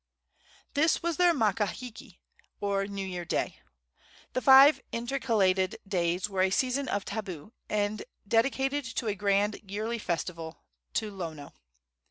This was their Makahiki, or new year day. The five intercalated days were a season of tabu, and dedicated to a grand yearly festival to Lono.